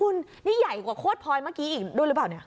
คุณนี่ใหญ่กว่าโคตรพลอยเมื่อกี้อีกด้วยหรือเปล่าเนี่ย